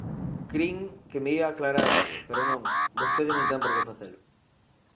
Crin que me ía aclarar algo, pero non, vostede non ten por que facelo.